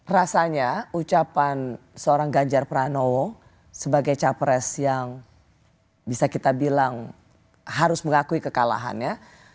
rasanya ucapan seorang ganjar pranowo sebagai capres yang bisa kita bilang harus mengakui kekalahannya